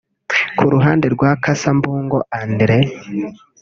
Ku ruhande rwa Cassa Mbungo Andre